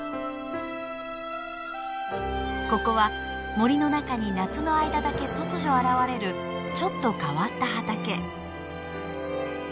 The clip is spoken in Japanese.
ここは森の中に夏の間だけ突如現れるちょっと変わった畑。